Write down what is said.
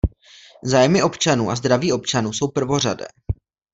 Zájmy občanů a zdraví občanů jsou prvořadé!